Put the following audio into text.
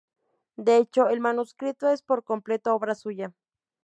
De hecho, el manuscrito es por completo obra suya.